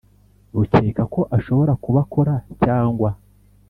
Bukeka ko ashobora kuba akora cyangwa